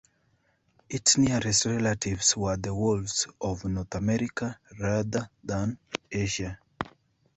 Its nearest relatives were the wolves of North America rather than Asia.